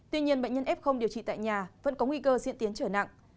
tuy nhiên bệnh nhân f điều trị tại nhà vẫn có nguy cơ diễn tiến trở nặng